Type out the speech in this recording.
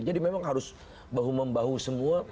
jadi memang harus bahu membahu semua